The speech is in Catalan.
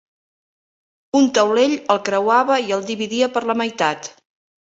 Un taulell el creuava i el dividia per la meitat.